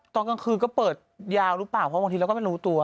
ตอนกลางคืนก็เปิดยาวหรือเปล่าเพราะบางทีเราก็ไม่รู้ตัว